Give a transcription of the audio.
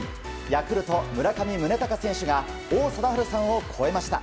ヤクルト、村上宗隆選手が王貞治さんを超えました。